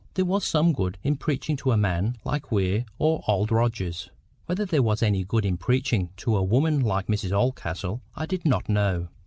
There was some good in preaching to a man like Weir or Old Rogers. Whether there was any good in preaching to a woman like Mrs Oldcastle I did not know.